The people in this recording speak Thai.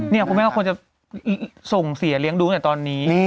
คุณแม่ก็ควรจะส่งเสียเลี้ยงดูตั้งแต่ตอนนี้